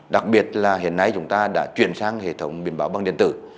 đặc biệt là hiện nay chúng ta đã chuyển sang hệ thống biên bảo bằng điện tử